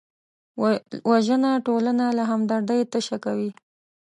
وژنه ټولنه له همدردۍ تشه کوي